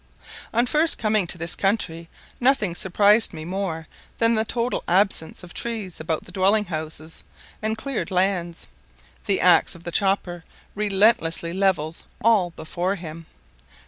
On first coming to this country nothing surprised me more than the total absence of trees about the dwelling houses and cleared lands; the axe of the chopper relentlessly levels all before him.